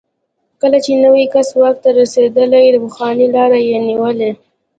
کله چې نوی کس واک ته رسېدلی، د پخواني لار یې نیولې.